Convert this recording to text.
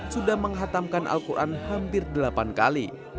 sudah menghatamkan al quran hampir delapan kali